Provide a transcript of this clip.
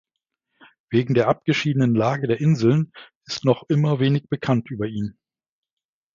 Wegen der abgeschiedenen Lage der Inseln ist noch immer wenig bekannt über ihn.